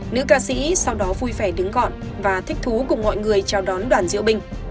nữ ca sĩ sau đó vui vẻ đứng gọn và thích thú cùng mọi người chào đón đoàn diễu binh